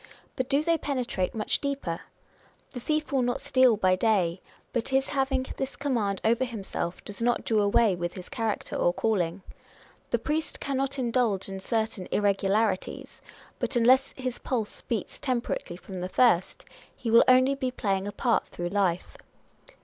But do they penetrate much deeper ? The thief will not steal by day ; but his having this command over himself does not do away his character or calling. The priest cannot indulge in certain irregularities ; but unless his pulse beats temperately from the first, he will only be playing ja part through life.